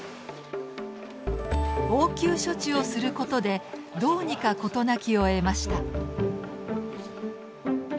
応急処置をすることでどうにか事なきを得ました。